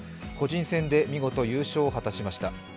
個人戦で見事優勝を果たしました。